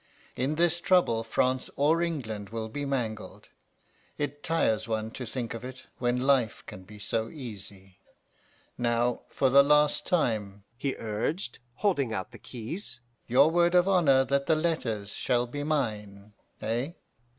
In this trouble France or England will be mangled. It tires one to think of it when life can be so easy. Now, for the last time,' he urged, holding out the keys. 'Your word of honour that the letters shall be mine eh?